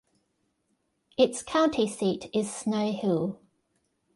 Its county seat is Snow Hill.